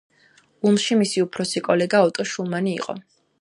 ულმში მისი უფროსი კოლეგა ოტო შულმანი იყო.